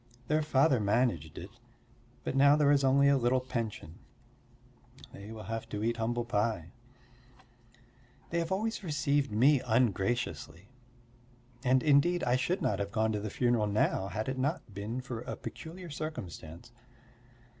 Their father managed it, but now there is only a little pension. They will have to eat humble pie. They have always received me ungraciously. And indeed I should not have gone to the funeral now had it not been for a peculiar circumstance.